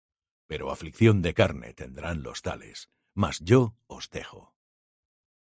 pero aflicción de carne tendrán los tales; mas yo os dejo.